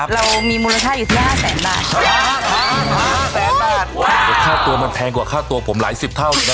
เรามีมูลค่าอยู่ที่